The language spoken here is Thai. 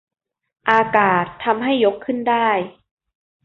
อากาศทำให้ยกขึ้นได้